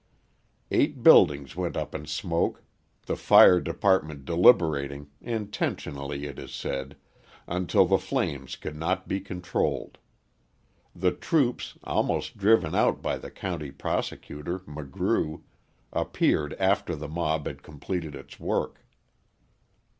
Eight buildings went up in smoke, the fire department deliberating intentionally, it is said until the flames could not be controlled. The troops, almost driven out by the county prosecutor, McGrew, appeared after the mob had completed its work.